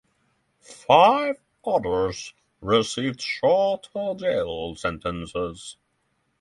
Five others received shorter jail sentences.